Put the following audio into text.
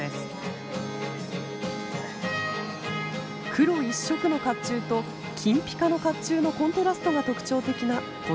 黒一色の甲冑と金ぴかの甲冑のコントラストが特徴的なこちらの親子。